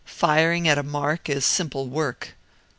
Firing at a mark is simple work.